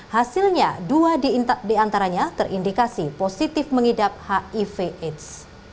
hasilnya dua di antaranya terindikasi positif mengidap hiv aids